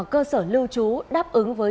cơ sở lưu trú đáp ứng với